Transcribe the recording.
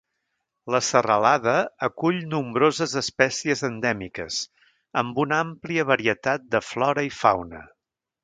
La serralada acull nombroses espècies endèmiques, amb una àmplia varietat de flora i fauna.